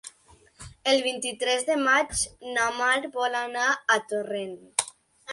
El vint-i-tres de maig na Mar vol anar a Torrent.